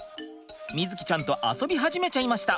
瑞己ちゃんと遊び始めちゃいました。